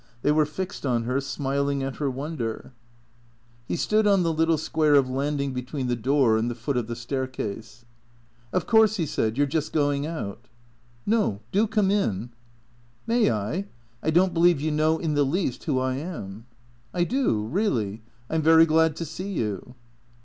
They were fixed on her, smiling at her wonder. 142 THE CEEA TOES He stood on the little square of landing between the door and the foot of the staircase. " Of course," he said. " You 're just going out? "" No, do come in." " May I ? I don't believe you know in the least who I am." " I do, really. I 'm very glad to see you."